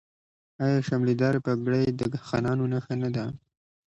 آیا شملې دارې پګړۍ د خانانو نښه نه ده؟